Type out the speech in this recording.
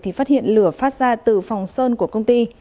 thì phát hiện lửa phát ra từ phòng sơn của công ty